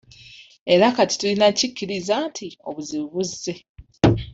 Era kati tulina kukkiriza nti obuzibu buzze.